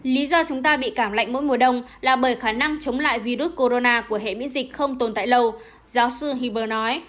lý do chúng ta bị cảm lạnh mỗi mùa đông là bởi khả năng chống lại virus corona của hệ miễn dịch không tồn tại lâu giáo sư hiber nói